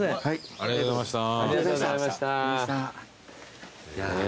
ありがとうございました。ねぇ。